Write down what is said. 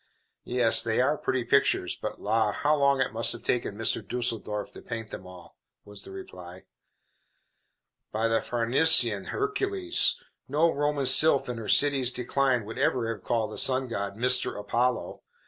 "Yes, they are pretty pictures; but la! how long it must have taken Mr. Düsseldorf to paint them all;" was the reply. By the Farnesian Hercules! no Roman sylph in her city's decline would ever have called the sun god, Mr. Apollo.